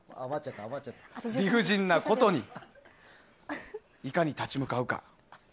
理不尽なことにいかに立ち向かうか。